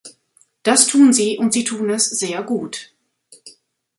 Das tun sie, und sie tun es sehr gut.